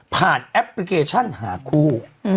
แอปพลิเคชันหาคู่